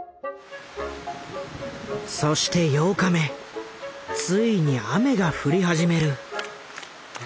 そして８日目ついに雨が降り始める。